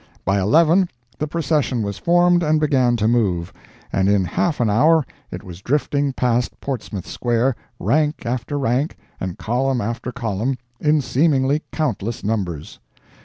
By eleven the Procession was formed and began to move, and in half an hour it was drifting past Portsmouth Square, rank after rank, and column after column, in seemingly countless numbers.